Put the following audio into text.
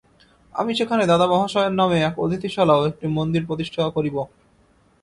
আমি সেখানে দাদামহাশয়ের নামে এক অতিথিশালা ও একটি মন্দির প্রতিষ্ঠা করিব।